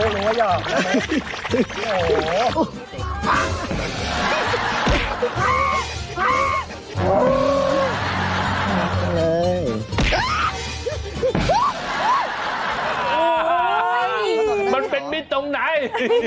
มันเป็นมิตรตรงไหน